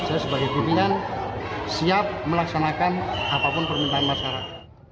saya sebagai pimpinan siap melaksanakan apapun permintaan masyarakat